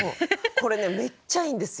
これねめっちゃいいんですよ